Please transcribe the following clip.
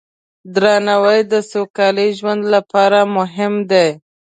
درناوی د سوکاله ژوند لپاره مهم دی.